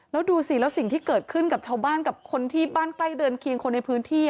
แล้วดูสิแล้วสิ่งที่เกิดขึ้นกับชาวบ้านกับคนที่บ้านใกล้เรือนเคียงคนในพื้นที่